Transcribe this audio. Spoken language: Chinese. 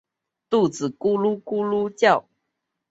肚子咕噜咕噜叫